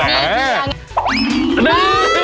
มันนี่มันนี่มันนี่